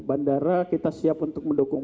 bandara kita siap untuk mendukung